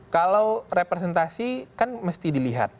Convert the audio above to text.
kalau representasi kan mesti dilihat